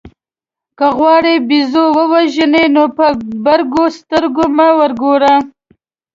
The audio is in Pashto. که غواړئ بېزو ووژنئ نو په برګو سترګو مه ورګورئ.